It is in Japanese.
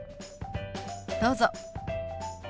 どうぞ。